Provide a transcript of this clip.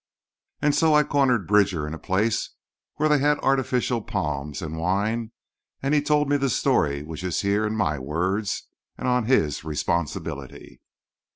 And so I cornered Bridger in a place where they have artificial palms and wine; and he told me the story which is here in my words and on his responsibility.